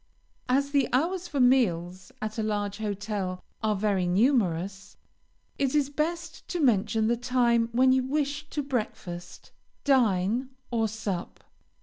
As the hours for meals, at a large hotel, are very numerous, it is best to mention the time when you wish to breakfast, dine, or sup.